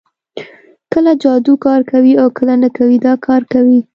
کله جادو کار کوي او کله نه کوي دا کار کوي